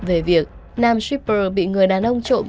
về việc nam shipper bị người đàn ông trộm